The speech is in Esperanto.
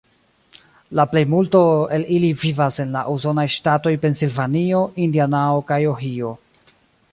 La plejmulto el ili vivas en la Usonaj ŝtatoj Pensilvanio, Indianao, kaj Ohio.